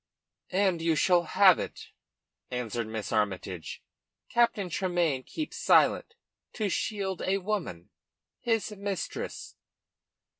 "And you shall have it," answered Miss Armytage. "Captain Tremayne keeps silent to shield a woman his mistress."